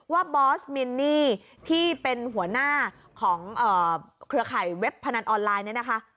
บอสมินนี่ที่เป็นหัวหน้าของเครือข่ายเว็บพนันออนไลน์เนี่ยนะคะ